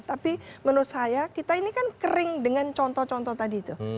tapi menurut saya kita ini kan kering dengan contoh contoh tadi itu